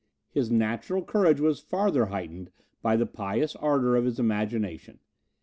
His natural courage was farther heightened by the pious ardour of his imagination.